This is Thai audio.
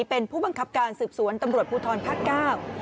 เป็นผู้บังคับการสืบสวนตำรวจภูทรภาคเก้า